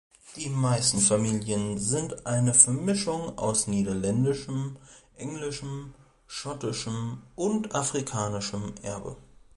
Die meisten Familien sind eine Vermischung aus niederländischem, englischem, schottischem und afrikanischem Erbe.